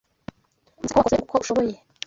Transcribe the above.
Nzi ko wakoze uko ushoboye.